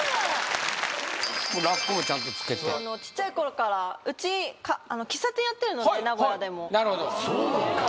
ラックもちゃんと付けてちっちゃいころからうち喫茶店やってるので名古屋でもなるほどそうなん？